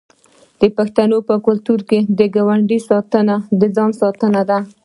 د پښتنو په کلتور کې د ګاونډي ساتنه د ځان ساتنه ده.